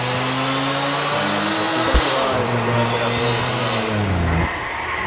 Baina, sortutakoa, esate baterako, sendagaia denean?